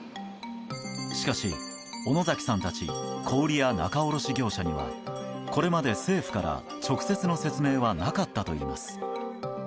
しかし、小野崎さんたち小売や仲卸業者にはこれまで政府から直接の説明はなかったといいます。